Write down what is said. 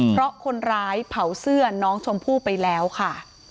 เพราะคนร้ายเผาเสื้อน้องชมพู่ไปแล้วค่ะ